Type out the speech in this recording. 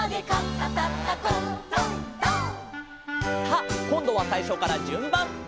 「」さあこんどはさいしょからじゅんばん！